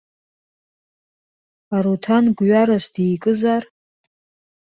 Аруҭан гәҩарас дикызар?